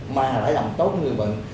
mà phải làm tốt người bệnh